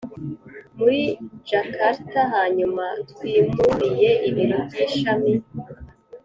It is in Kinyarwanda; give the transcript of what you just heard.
muri Jakarta Hanyuma twimuriye ibiro by ishami